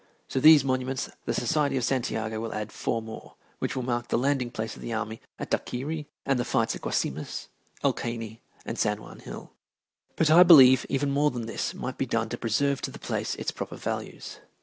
To these monuments the Society of Santiago will add four more, which will mark the landing place of the army at Daiquairi and the fights at Guasimas, El Caney, and San Juan Hill. But I believe even more than this might be done to preserve to the place its proper values.